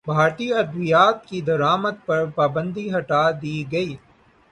بھارتی ادویات کی درمدات پر پابندی ہٹادی گئی